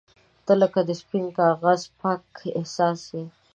• ته لکه د سپین کاغذ پاک احساس یې.